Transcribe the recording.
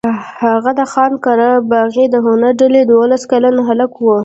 هغه د خان قره باغي د هنري ډلې دولس کلن هلک و.